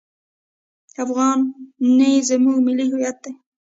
افغانۍ زموږ ملي هویت دی.